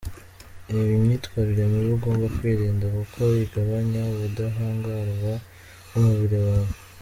Reba imyitwarire mibi ugomba kwirinda kuko igabanya ubudahangarwa bw’umubiri wawe.